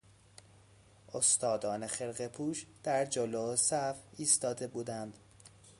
استادان خرقه پوش در جلو صف ایستاده بودند.